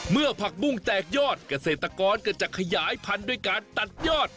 ผักบุ้งแตกยอดเกษตรกรก็จะขยายพันธุ์ด้วยการตัดยอด